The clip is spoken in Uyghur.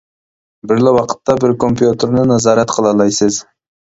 بىرلا ۋاقىتتا بىر كومپيۇتېرنى نازارەت قىلالايسىز.